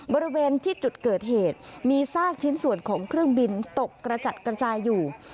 บริเวณที่จุดเกิดเหตุมีซากชิ้นส่วนของเครื่องบินตกกระจัดกระจายอยู่